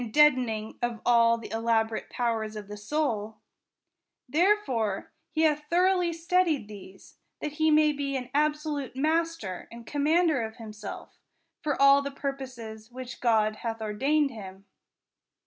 deadening of all the clamorous powers of the soul ; therefore he hath throughly studied these, that he may be an absolute master and commander of himself, for all the purposes which God hath ordained him.